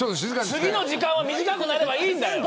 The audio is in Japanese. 次の時間が短くなればいいんだよ。